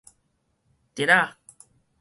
姪仔